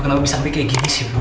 kenapa bisa sampai kayak gini sih bu